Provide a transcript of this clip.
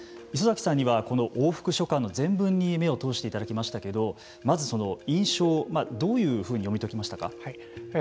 礒崎さんにはこの往復書簡の全文に目を通していただきましたけどまず印象どういうふうに読み解きましたか。